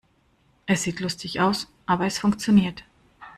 Es sieht lustig aus, aber es funktioniert.